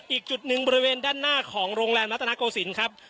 อีกจุดหนึ่งบริเวณด้านหน้าของโรงแรมรัฐนาโกศิลป์ครับ